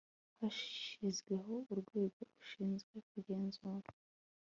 hashyizweho urwego rushinzwe kugenzura